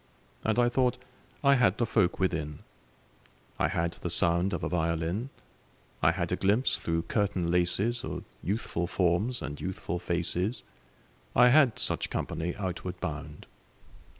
And I thought I had the folk within: I had the sound of a violin; I had a glimpse through curtain laces Of youthful forms and youthful faces. I had such company outward bound.